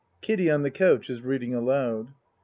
Kiddie on the couch, is reading aloud.